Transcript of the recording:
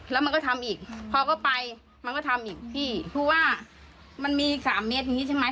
แล้วมันก็ทำอีกพอก็ไปมันก็ทำอีกพี่เพราะว่ามันมีสามเมตรอย่างงี้ใช่ไหม